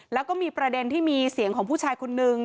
แล้วก็มีประเด็นที่มีเสียงของผู้ชายคนนึง